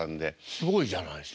すごいじゃないですか。